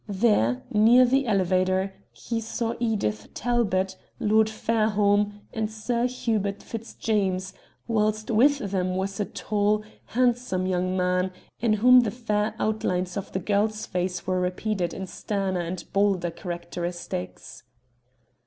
There, near the elevator, he saw Edith Talbot, Lord Fairholme, and Sir Hubert Fitzjames, whilst with them was a tall, handsome young man, in whom the fair outlines of the girl's face were repeated in sterner and bolder characteristics.